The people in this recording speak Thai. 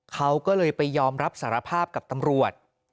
เขาก็เลยไปยอมรับสารภาพกับตำรวจ